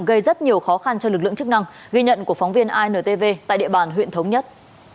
gây rất nhiều khó khăn cho lực lượng chức năng ghi nhận của phóng viên intv tại địa bàn huyện thống nhất